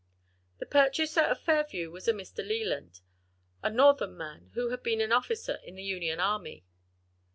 The purchaser of Fairview was a Mr. Leland, a northern man who had been an officer in the Union army.